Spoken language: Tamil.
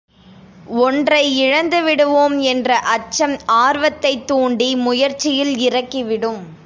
ஒன்றை இழந்து விடுவோம் என்ற அச்சம் ஆர்வத்தைத்தூண்டி முயற்சியில் இறக்கி விடும்.